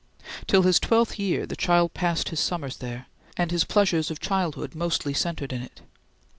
Till his twelfth year, the child passed his summers there, and his pleasures of childhood mostly centred in it.